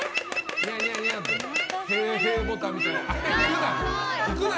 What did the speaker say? へーへーボタンみたいな。